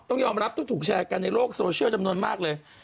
ต้องยอมรับต้องถูกแชร์กันในโลกโซเชียลจำนวนมากเลย